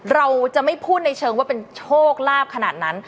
เราจะไม่พูดในเชิงว่าเป็นโชคลาภขนาดนั้น